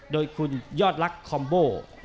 โดยคุณยอดลักษณ์คอมโบ